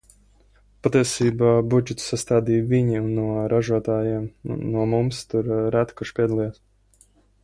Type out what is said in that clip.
Patiesībā budžetu sastādīja viņi, un no ražotājiem, no mums tur reti kurš piedalījās.